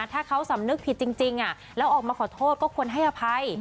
ถ้าเขาสำนึกผิดจริงแล้วออกมาขอโทษก็ควรให้อภัย